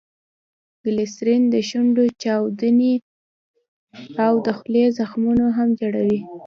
ګلیسرین دشونډو چاودي او دخولې زخمونه هم جوړوي.